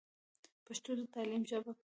پښتو د تعليم ژبه کړئ.